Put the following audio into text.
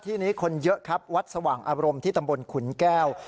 ที่นี้คนเยอะครับวัดสว่างอารมณ์ที่ตำบลขุนแก้ว